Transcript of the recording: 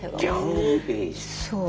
そう。